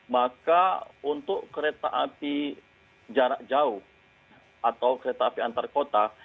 maka untuk kereta api jarak jauh atau kereta api antar kota